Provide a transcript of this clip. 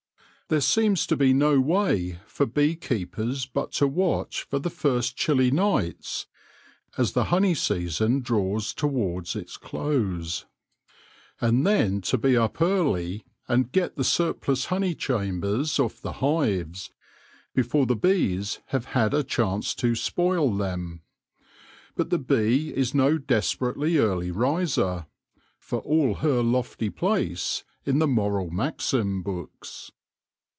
There seems to be no way for bee keepers but to watch for the first chilly nights, as the honey season draws towards its close ; and then to be up early and get the surplus honey chambers off the hives, before the bees have had a chance to spoil them. But the bee is no desperately early riser, for all her lofty place in the moral maxim books.